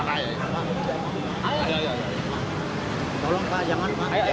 ibut aja yang gak ada papai